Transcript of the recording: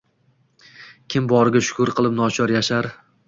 Kim boriga shukr qilib, nochor yashar.